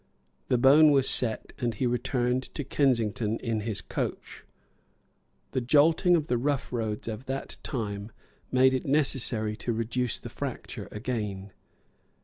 The bone was set; and he returned to Kensington in his coach. The jolting of the rough roads of that time made it necessary to reduce the fracture again.